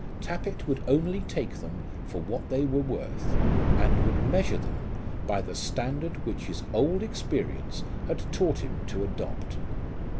Tappitt would only take them for what they were worth, and would measure them by the standard which his old experience had taught him to adopt.